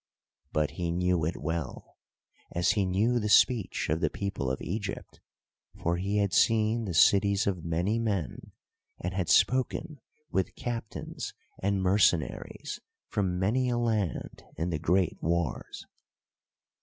But he knew it well, as he knew the speech of the people of Egypt; for he had seen the cities of many men, and had spoken with captains and mercenaries from many a land in the great wars.